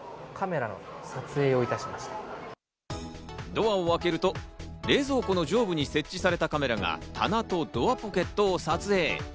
ドアを開けると、冷蔵庫の上部に設置されたカメラが棚とドアポケットを撮影。